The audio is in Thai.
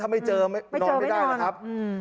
ถ้าไม่เจอนอนไม่ได้หรอกครับ